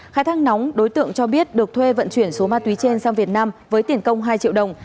khai thác nóng đối tượng cho biết được thuê vận chuyển số ma túy trên sang việt nam với tiền công hai triệu đồng